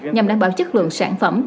nhằm đảm bảo chất lượng sản phẩm